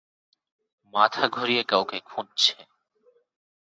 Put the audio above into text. মাথা ঘুরিয়ে কাউকে খুঁজছে।